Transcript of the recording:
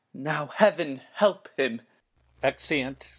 Now heaven help him! Exeunt.